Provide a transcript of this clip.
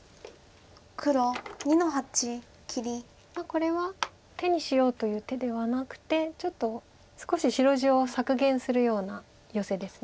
これは手にしようという手ではなくてちょっと少し白地を削減するようなヨセです。